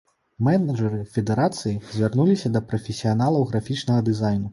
Менеджэры федэрацыі звярнуліся да прафесіяналаў графічнага дызайну.